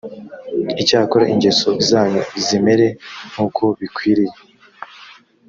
icyakora ingeso zanyu zimere nk uko bikwiriye